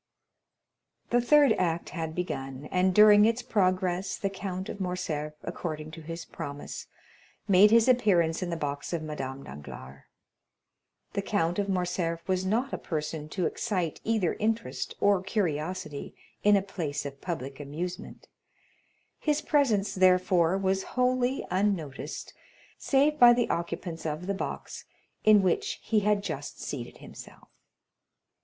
The third act had begun; and during its progress the Count of Morcerf, according to his promise, made his appearance in the box of Madame Danglars. The Count of Morcerf was not a person to excite either interest or curiosity in a place of public amusement; his presence, therefore, was wholly unnoticed, save by the occupants of the box in which he had just seated himself.